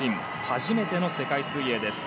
初めての世界水泳です。